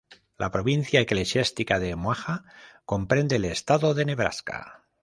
La Provincia Eclesiástica de Omaha comprende el estado de Nebraska.